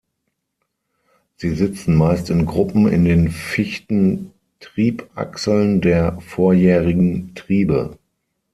Sie sitzen meist in Gruppen in den Fichten-Triebachseln der vorjährigen Triebe.